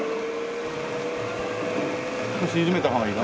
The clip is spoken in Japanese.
少し緩めた方がいいの？